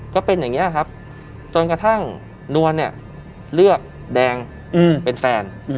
ก็เป็นอย่างนี้ครับจนกระทั่งนวลเนี่ยเลือกแดงเป็นแฟน